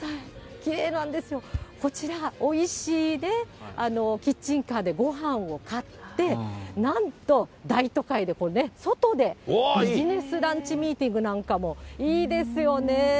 きれいなんですよ、こちら、おいしいね、キッチンカーでごはんを買って、なんと大都会で外でビジネスランチミーティングなんかも、いいですよねぇ。